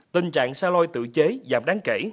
tình trạng xe loi tự chế giảm đáng kể